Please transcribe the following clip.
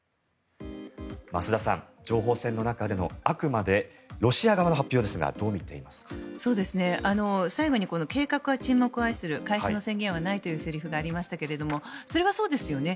増田さん、情報戦の中でのあくまでロシア側の情報ですが最後に計画は沈黙を愛する開始の宣言はないというセリフがありましたけれどそれはそうですよね。